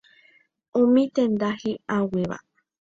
Umi tenda hi'ag̃uíva.